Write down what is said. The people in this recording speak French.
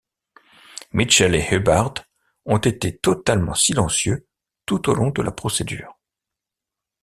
Mitchell et Hubbard ont été totalement silencieux tout au long de la procédure.